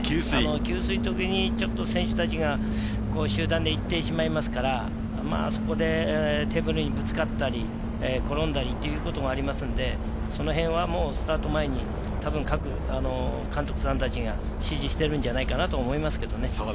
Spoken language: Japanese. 給水のときに、ちょっと選手たちが集団で行ってしまいますから、そこでテーブルにぶつかったり、転んだりということもありますので、その辺はスタート前に各監督さんたちが指示してるんじゃないかなと思いますけれどもね。